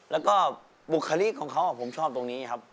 แล้วก็บุคลิกของเขาผมชอบตรงนี้ครับ